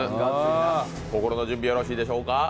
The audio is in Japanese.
心の準備、よろしいでしょうか。